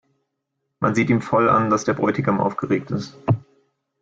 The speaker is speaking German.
Man sieht ihm voll an, dass der Bräutigam aufgeregt ist.